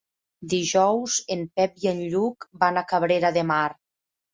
Dijous en Pep i en Lluc van a Cabrera de Mar.